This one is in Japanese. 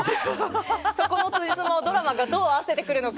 そこのつじつまをドラマがどう合わせてくるのか。